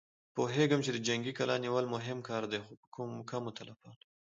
پوهېږم چې د جنګي کلا نيول مهم کار دی، خو په کمو تلفاتو.